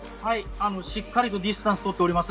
しっかりディスタンス取っています。